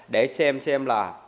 để xem xem là